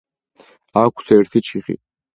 აქვს ერთი ჩიხი.